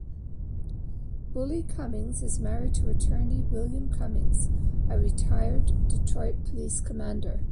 Bully-Cummings is married to Attorney William Cummings, a retired Detroit police commander.